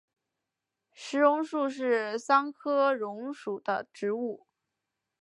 石榕树是桑科榕属的植物。